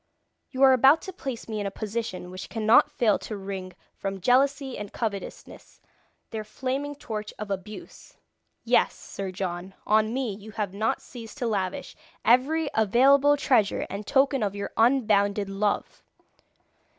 You are about to place me in a position which cannot fail to wring from jealousy and covetousness their flaming torch of abuse. Yes, Sir John, on me you have not ceased to lavish every available treasure and token of your unbounded love.